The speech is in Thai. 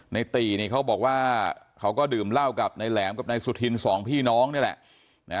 ในตีนี่เขาบอกว่าเขาก็ดื่มเหล้ากับนายแหลมกับนายสุธินสองพี่น้องนี่แหละ